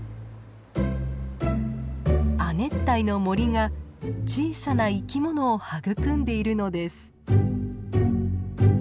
亜熱帯の森が小さな生き物を育んでいるのです。